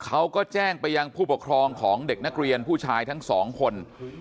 เขาก็แจ้งไปยังผู้ปกครองของเด็กนักเรียนผู้ชายทั้งสองคน